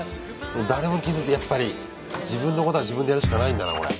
誰も気付いてやっぱり自分のことは自分でやるしかないんだなこれ。